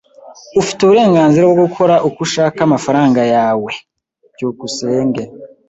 Ufite uburenganzira bwo gukora uko ushaka amafaranga yawe. byukusenge